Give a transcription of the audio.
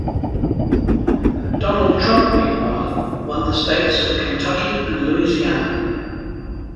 Donald Trump meanwhile, won the states of Kentucky and Louisiana.